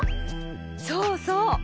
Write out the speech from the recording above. そうそう！